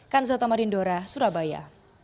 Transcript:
kanzel tamarindora surabaya